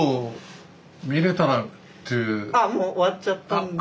あもう終わっちゃったんで。